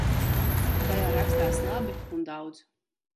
Tajā rakstās labi un daudz.